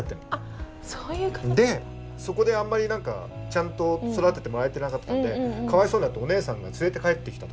でそこであんまりちゃんと育ててもらえてなかったんでかわいそうになってお姉さんが連れて帰ってきたとか。